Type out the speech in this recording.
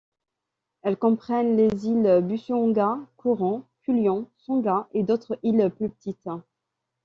Elles comprennent les îles Busuanga, Coron, Culion, Sangat et d'autres îles plus petites.